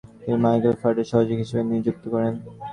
তিনি মাইকেল ফ্যারাডেকে সহযোগী হিসেবে নিযুক্ত করেন।